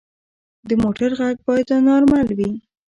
د موټر غږ باید نارمل وي.